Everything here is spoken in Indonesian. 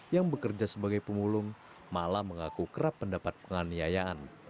yang bekerja sebagai pemulung mala mengaku kerap pendapat penganiayaan